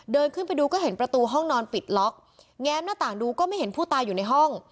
เดินขึ้นไปดูก็เห็นประตูห้องนอนปิดล็อกแง้มหน้าต่างดูก็ไม่เห็นผู้ตายอยู่ในห้อง